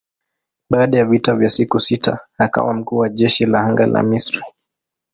Baada ya vita ya siku sita akawa mkuu wa jeshi la anga la Misri.